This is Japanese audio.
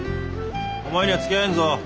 お前にはつきあえんぞ。